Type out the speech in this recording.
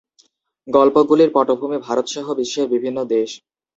গল্পগুলির পটভূমি ভারত সহ বিশ্বের বিভিন্ন দেশ।